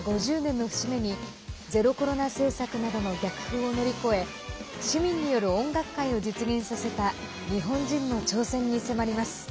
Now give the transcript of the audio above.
５０年の節目にゼロコロナ政策などの逆風を乗り越え市民による音楽会を実現させた日本人の挑戦に迫ります。